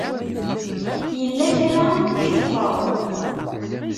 Yella kra i teffreḍ.